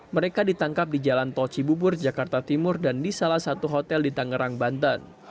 mereka ditangkap di jalan tol cibubur jakarta timur dan di salah satu hotel di tangerang banten